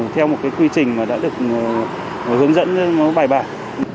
theo một quy trình đã được hướng dẫn bài bài